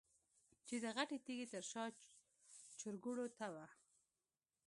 چې د غټې تيږې تر شا چرګوړو ته وه.